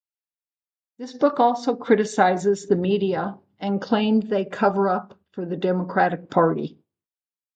This book also criticizes the media and claimed they coverup for the Democratic Party.